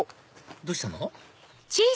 どうしたの？